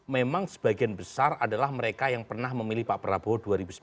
memang sebagian besar adalah mereka yang pernah memilih pak prabowo dua ribu sembilan belas